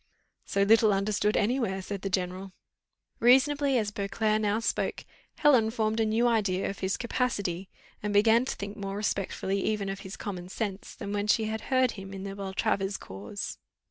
"So little understood any where," said the general. Reasonably as Beauclerc now spoke, Helen formed a new idea of his capacity, and began to think more respectfully even of his common sense, than when she had heard him in the Beltravers cause.